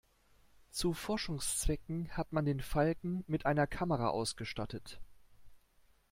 Zu Forschungszwecken hat man den Falken mit einer Kamera ausgestattet.